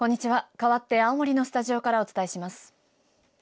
かわって青森のスタジオからお伝えします。